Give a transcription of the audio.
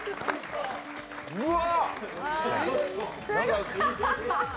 うわ！